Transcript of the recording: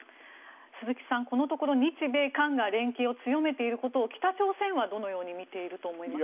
鈴木さん、このところ日米韓が連携を強めていることを北朝鮮はどのように見ていると思いますか。